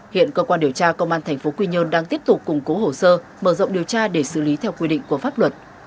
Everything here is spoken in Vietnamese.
hiện cơ quan điều tra công an tp quy nhơn đang tiếp tục củng cố hồ sơ mở rộng điều tra để xử lý theo quy định của pháp luật